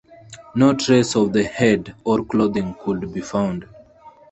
No trace of the head or clothing could be found.